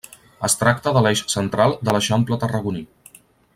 Es tracta de l’eix central de l’Eixample tarragoní.